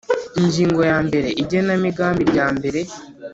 Ingingo ya mbere Igenamigambi ryambere